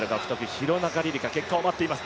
廣中璃梨佳、結果を待っています。